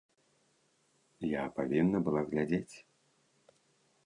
Я павінна была глядзець.